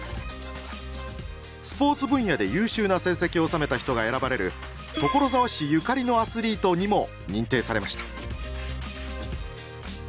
スポーツ分野で優秀な成績を収めた人が選ばれる所沢市ゆかりのアスリートにも認定されました。